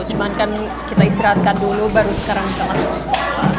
cuma kan kita istirahatkan dulu baru sekarang bisa masuk sekolah